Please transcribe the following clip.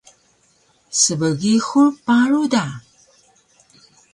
Sbgihur paru da